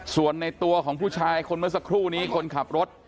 ส่วนในตัวของผู้ชายคนเมื่อสักครู่นี้คนขับรถ